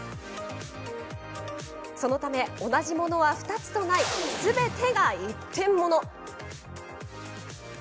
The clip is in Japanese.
そのため、同じものは２つとないすべてが一点物。